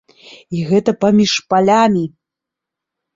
І гэта паміж палямі!